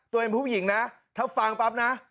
ตัวเองผู้หญิงนะถ้าฟังปั๊บนะ